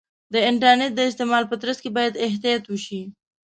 د انټرنیټ د استعمال په ترڅ کې باید احتیاط وشي.